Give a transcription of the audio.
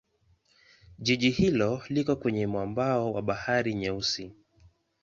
Jiji hilo liko kwenye mwambao wa Bahari Nyeusi.